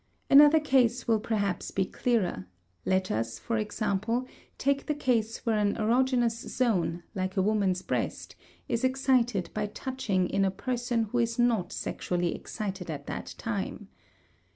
Another case will perhaps be clearer; let us, for example, take the case where an erogenous zone, like a woman's breast, is excited by touching in a person who is not sexually excited at the time.